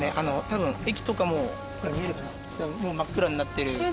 多分駅とかももう真っ暗になってるので。